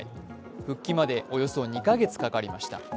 復帰までおよそ２か月かかりました。